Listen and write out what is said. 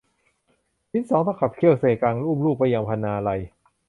ชิ้นสองต้องขับเที่ยวเซซัง อุ้มลูกไปยังพนาไลย